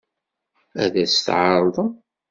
Ad as-t-tɛeṛḍem?